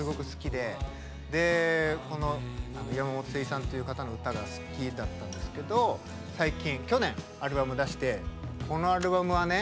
でこの山本精一さんという方の歌が好きだったんですけど最近去年アルバムを出してこのアルバムはね